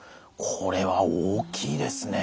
これは大きいですね。